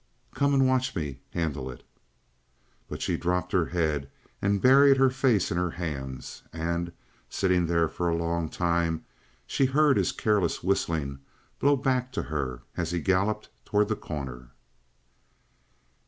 "Come and watch me handle it!" But she dropped her head and buried her face in her hands, and, sitting there for a long time, she heard his careless whistling blow back to her as he galloped toward The Corner.